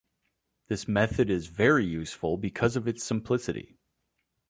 This method is very useful because of its simplicity.